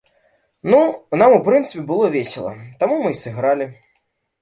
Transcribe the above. Ну, нам, у прынцыпе, было весела, таму мы і сыгралі!